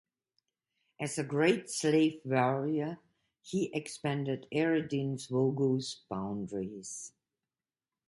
As a great slave warrior, he expanded Arondizuogu's boundaries.